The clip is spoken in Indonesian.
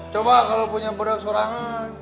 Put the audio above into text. coba kalau punya budak seorang